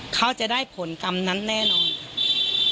เขาจะได้ผลกรรมนั้นแน่นอนค่ะ